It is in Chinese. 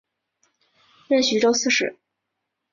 任徐州刺史。